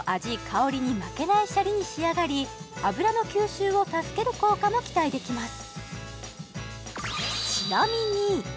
香りに負けないシャリに仕上がり脂の吸収を助ける効果も期待できます